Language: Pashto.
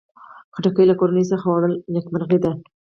خټکی له کورنۍ سره خوړل نیکمرغي ده.